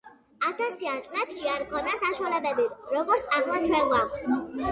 ათასიან წლებში არ ქონდათ საშვალებები როგორც ახლა ჩვენ გვაქვს